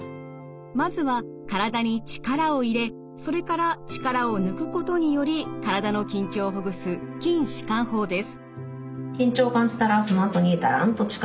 まずは体に力を入れそれから力を抜くことにより体の緊張をほぐす筋弛緩法です。